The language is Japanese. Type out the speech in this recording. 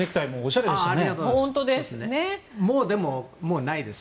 もうないです。